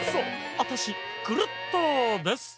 アタシクルットです！